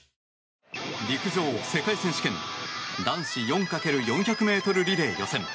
陸上世界選手権男子４×４００ｍリレー予選。